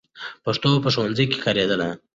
پښتو به په ښوونځي کې کارېدله.